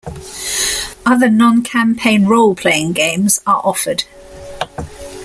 Other non-campaign role playing games are offered.